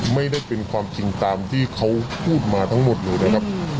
ไม่ได้เป็นความจริงตามที่เขาพูดมาทั้งหมดเลยนะครับ